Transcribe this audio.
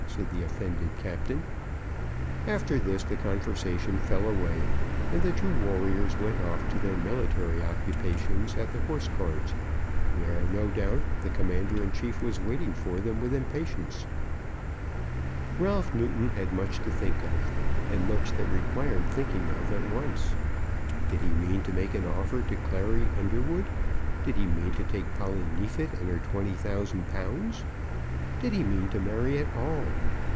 said the offended captain. After this the conversation fell away, and the two warriors went off to their military occupations at the Horse Guards, where, no doubt, the Commander in chief was waiting for them with impatience. Ralph Newton had much to think of, and much that required thinking of at once. Did he mean to make an offer to Clary Underwood? Did he mean to take Polly Neefit and her £20,000? Did he mean to marry at all?